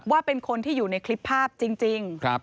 ว่าเป็นคนที่อยู่ในคลิปภาพจริง